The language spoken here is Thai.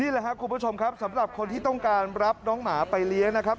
แหละครับคุณผู้ชมครับสำหรับคนที่ต้องการรับน้องหมาไปเลี้ยงนะครับ